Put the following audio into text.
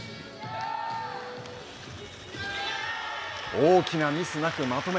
大きなミスなくまとめ